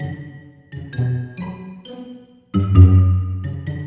lo ngapain mau ne meni rumah gua dari tadi